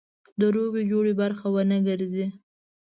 د روغې جوړې برخه ونه ګرځي.